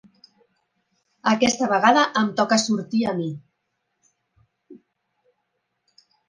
Aquesta vegada em toca sortir a mi.